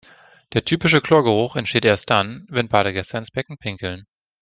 Der typische Chlorgeruch entsteht erst dann, wenn Badegäste ins Becken pinkeln.